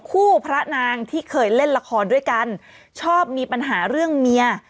พระนางที่เคยเล่นละครด้วยกันชอบมีปัญหาเรื่องเมีย